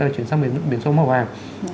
chuyển sang biển số màu hàng